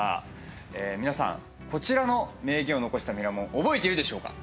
皆さんこちらの名言を残したミラモン覚えているでしょうか？